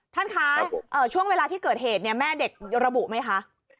ท่านคะช่วงเวลาที่เกิดเหตุเนี่ยแม่เด็กระบุไหมคะ